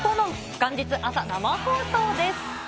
元日朝、生放送です。